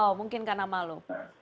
oh mungkin karena malu